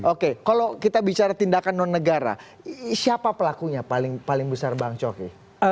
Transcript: oke kalau kita bicara tindakan non negara siapa pelakunya paling besar bang coki